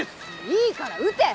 いいから射て！